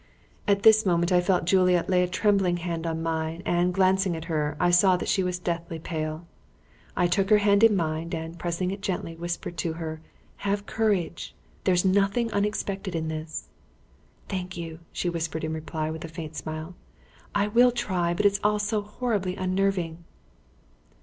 At this moment I felt Juliet lay a trembling hand on mine, and, glancing at her, I saw that she was deathly pale. I took her hand in mine and, pressing it gently, whispered to her, "Have courage; there is nothing unexpected in this." "Thank you," she whispered in reply, with a faint smile; "I will try; but it is all so horribly unnerving."